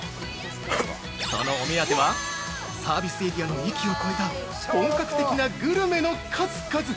そのお目当てはサービスエリアの域を超えた本格的なグルメの数々！